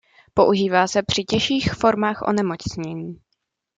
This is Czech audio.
Používá se při těžších formách onemocnění.